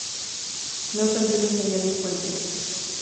No te olvides de añadir fuentes.